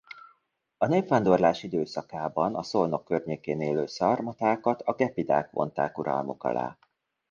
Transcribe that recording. A népvándorlás időszakában a Szolnok környékén élő szarmatákat a gepidák vonták uralmuk alá.